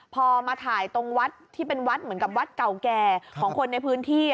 พอมาถ่ายตรงวัดที่เป็นวัดเหมือนกับวัดเก่าแก่ของคนในพื้นที่